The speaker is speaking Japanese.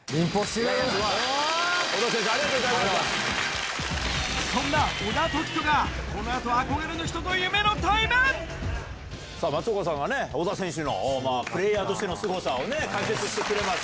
小田選手、ありがとうございそんな小田凱人が、このあとさあ松岡さんがね、小田選手のプレーヤーとしてのすごさをね、解説してくれました。